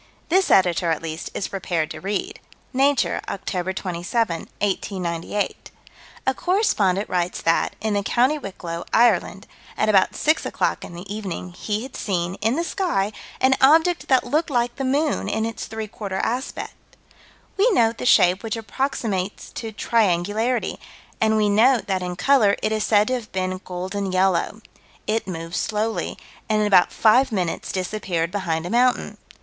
This Editor, at least, is prepared to read Nature, Oct. 27, 1898: A correspondent writes that, in the County Wicklow, Ireland, at about 6 o'clock in the evening, he had seen, in the sky, an object that looked like the moon in its three quarter aspect. We note the shape which approximates to triangularity, and we note that in color it is said to have been golden yellow. It moved slowly, and in about five minutes disappeared behind a mountain.